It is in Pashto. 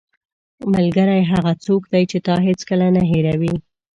ملګری هغه څوک دی چې تا هیڅکله نه هېروي.